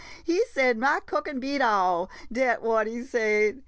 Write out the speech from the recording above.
He said ma cookin' beat all — dat what he said.